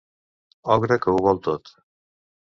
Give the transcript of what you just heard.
Ogre que ho vol tot.